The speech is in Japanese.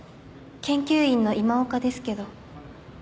研究員の今岡ですけど。